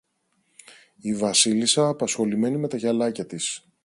Η Βασίλισσα, απασχολημένη με τα γυαλάκια της